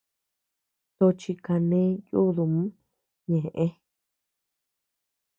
Tochi kane yuudum ñeʼe.